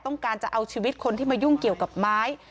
ต้องการจะเอาชีวิตคนที่มายุ่งเกี่ยวกับไม้